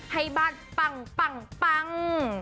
ให้บ้านปัง